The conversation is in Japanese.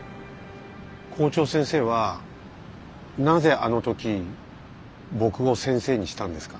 校長先生はなぜあの時僕を先生にしたんですか？